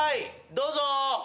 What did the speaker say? どうぞ。